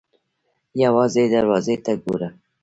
_ يوازې دروازې ته ګوره!